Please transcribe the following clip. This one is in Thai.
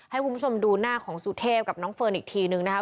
ให้คุณผู้ชมดูหน้าของสุเทพกับน้องเฟิร์นอีกทีนึงนะคะ